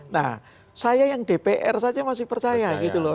nah saya yang dpr saja masih percaya gitu loh